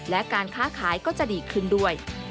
และการค้าขายก็จะดีขึ้นด้วย